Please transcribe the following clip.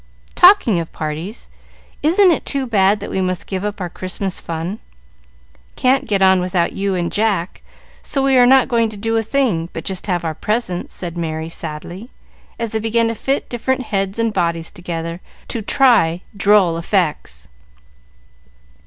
"Talking of parties, isn't it too bad that we must give up our Christmas fun? Can't get on without you and Jack, so we are not going to do a thing, but just have our presents," said Merry, sadly, as they began to fit different heads and bodies together, to try droll effects.